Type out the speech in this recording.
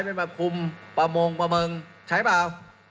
ได้มาคุมประมงประเมิงใช้เปล่า